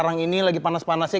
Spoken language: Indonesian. dari politik indonesia